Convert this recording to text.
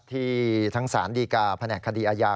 ที่ทั้งสารดีกาแผนกคดีอาญา